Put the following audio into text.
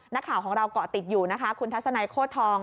นักข่าวของเราเกาะติดอยู่นะคะคุณทัศนัยโคตรทอง